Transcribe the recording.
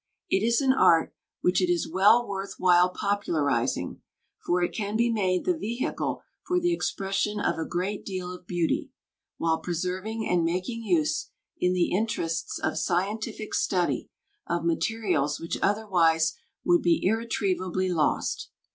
It is an art which it is well worth while popularizing, for it can be made the vehicle for the expression of a great deal of beauty, while preserving and making use, in the interests of scientific study, of materials which otherwise would be irretrievably lost.